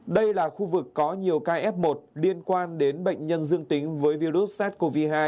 đây là khu vực có nhiều ca f một liên quan đến bệnh nhân dương tính với virus sars cov hai